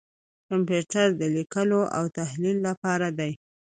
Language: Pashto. کمپیوټر لیکلو او تحلیل لپاره دی.